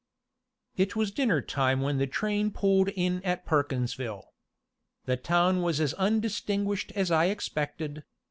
It was dinner time when the train pulled in at Perkinsville. The town was as undistinguished as I expected.